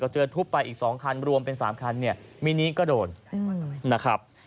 เจอทุบไปอีก๒คันรวมเป็น๓คันเนี่ยมินิก็โดนนะครับ